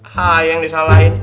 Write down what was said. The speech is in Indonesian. hah yang disalahin